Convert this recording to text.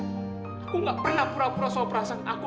aku gak pernah pura pura soal perasaan aku